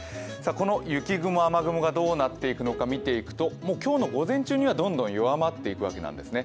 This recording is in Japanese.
雪雲・雨雲がどうなっていくかというと今日の午前中にはどんどん弱まっていくわけですね。